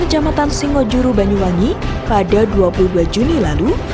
kecamatan singojuru banyuwangi pada dua puluh dua juni lalu